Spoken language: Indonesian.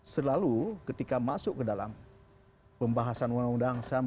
selalu ketika masuk ke dalam pembahasan undang undang